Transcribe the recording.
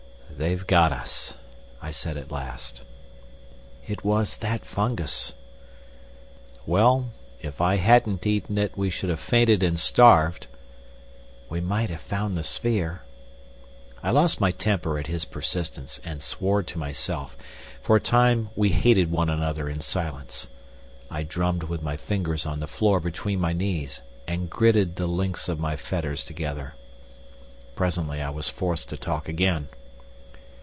"They've got us," I said at last. "It was that fungus." "Well—if I hadn't taken it we should have fainted and starved." "We might have found the sphere." I lost my temper at his persistence, and swore to myself. For a time we hated one another in silence. I drummed with my fingers on the floor between my knees, and gritted the links of my fetters together. Presently I was forced to talk again.